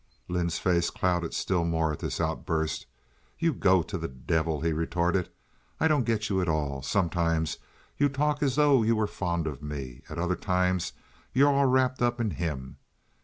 Lynde's face clouded still more at this outburst. "You go to the devil," he retorted. "I don't get you at all. Sometimes you talk as though you were fond of me. At other times you're all wrapped up in him.